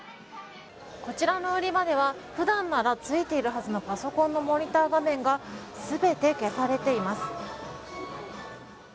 こちらの売り場では普段ならついているはずのパソコンのモニター画面が全て消されています。